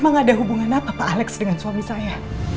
memang ada hubungan apa pak alex dengan suami saya